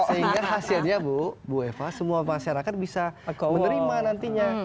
sehingga hasilnya bu eva semua masyarakat bisa menerima nantinya